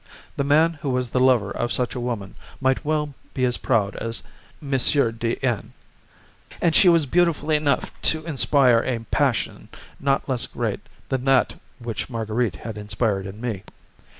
The man who was the lover of such a woman might well be as proud as M. de N., and she was beautiful enough to inspire a passion not less great than that which Marguerite had inspired in me.